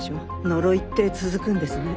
呪いって続くんですね。